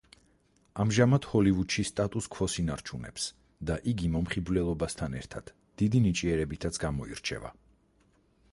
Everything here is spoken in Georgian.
ამჟამად ჰოლივუდში სტატუს ქვოს ინარჩუნებს და იგი მომხიბვლელობასთან ერთად დიდი ნიჭიერებითაც გამოირჩევა.